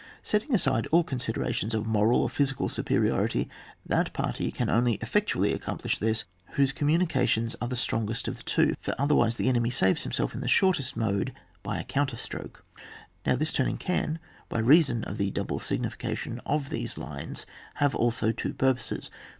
Setting aside all considera* tions of moral or physical superiority, that party can only effectually accom plish this whose communications are the strongest of the two, for otherwise the enemy saves himself in the shortest mode, by a counterstroke. Now this turning can, by reason of the double signification of these lines, have also two purposes.